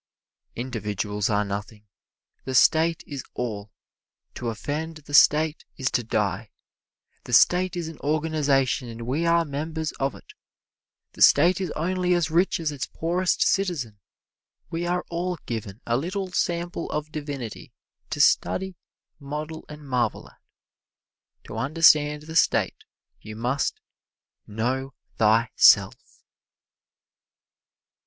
"Individuals are nothing. The State is all. To offend the State is to die. The State is an organization and we are members of it. The State is only as rich as its poorest citizen. We are all given a little sample of divinity to study, model and marvel at. To understand the State you must KNOW THYSELF."